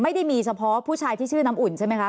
ไม่ได้มีเฉพาะผู้ชายที่ชื่อน้ำอุ่นใช่ไหมคะ